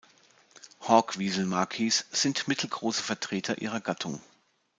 Hawk-Wieselmakis sind mittelgroße Vertreter ihrer Gattung.